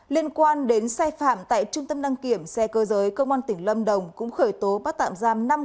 liên quan đến sai phạm tại trung tâm đăng kiểm xe cơ giới công an tỉnh lâm đồng cũng khởi tố bắt tạm giam